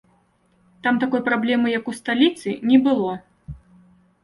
Там такой праблемы, як у сталіцы, не было.